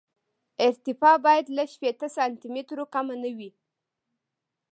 ارتفاع باید له شپېته سانتي مترو کمه نه وي